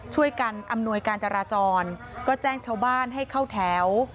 อำนวยการจราจรก็แจ้งชาวบ้านให้เข้าแถว